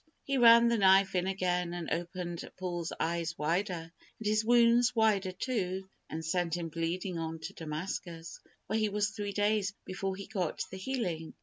He ran the knife in again, and opened Paul's eyes wider, and his wounds wider, too, and sent him bleeding on to Damascus, where he was three days before he got the healing.